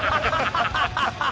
ハハハハ！